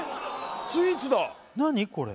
スイーツだ何これ？